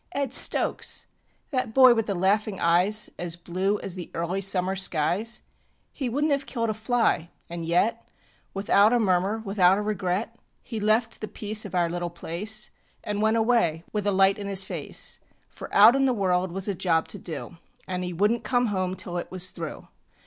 ŌĆØ Ed Stokes! That boy with the laughing eyes As blue as the early summer skies! He wouldnŌĆÖt have killed a fly and yet, Without a murmur, without a regret, He left the peace of our little place, And went away with a light in his face; For out in the world was a job to do, And he wouldnŌĆÖt come home until it was through!